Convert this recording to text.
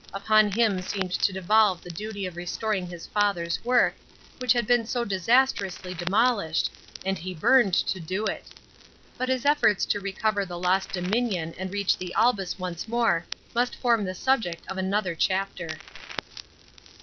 Upon him seetned to de*olve the duty of restoring his father's work, which had been so disastrously demolished, and he burned to do it. But his efforts to recover the lost dominion and reach the Albis once more must form the subject of another chapter.